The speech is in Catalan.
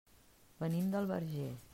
Venim del Verger.